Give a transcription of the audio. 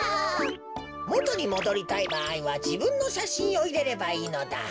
もとにもどりたいばあいはじぶんのしゃしんをいれればいいのだ。